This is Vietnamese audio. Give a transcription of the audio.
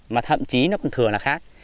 mà thậm chí nó còn thừa là khác